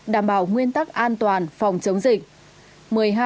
đảm bảo nguyên tắc an toàn phòng chống dịch